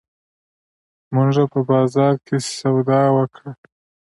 مونږه په بازار کښې سودا وکړه